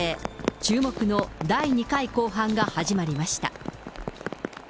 注目の第２回公判が始まりました。